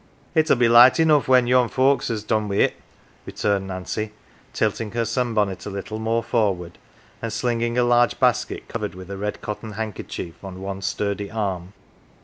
"It'll be light enough when yon folks has done wrt," re turned Nancy, tilting her sun bonnet a little more forward, and slinging a large basket covered with a red cotton handkerchief on one sturdy arm.